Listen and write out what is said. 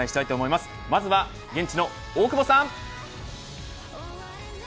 まずは現地の大久保さん。